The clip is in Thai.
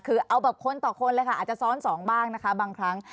คือเอาแบบคนต่อคนเลยค่ะอาจจะซ้อนสองบ้างนะคะบางครั้ง